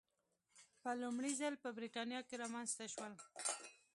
په لومړي ځل په برېټانیا کې رامنځته شول.